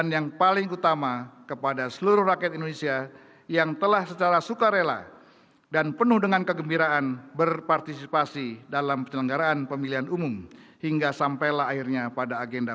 yang mulia theodore loksin jr utusan khusus presiden republik filipina